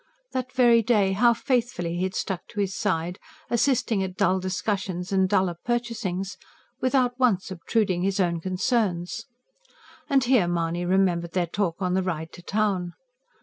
That very day how faithfully he had stuck at his side, assisting at dull discussions and duller purchasings, without once obtruding his own concerns. And here Mahony remembered their talk on the ride to town.